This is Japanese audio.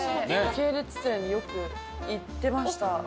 系列店によく行ってました。